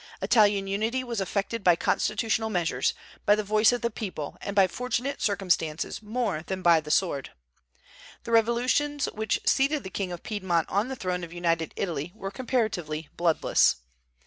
Italian unity was effected by constitutional measures, by the voice of the people, and by fortunate circumstances more than by the sword. The revolutions which seated the King of Piedmont on the throne of United Italy were comparatively bloodless.